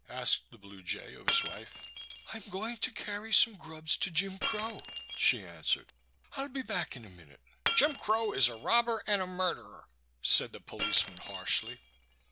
asked the Blue Jay of his wife. "I'm going to carry some grubs to Jim Crow," she answered. "I'll be back in a minute." "Jim Crow is a robber and a murderer!" said the policeman, harshly.